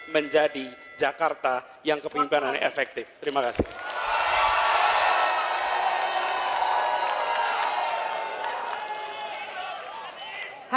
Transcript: menjadi jakarta yang kepimpinannya efektif terima kasih